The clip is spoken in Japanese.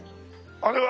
あれは？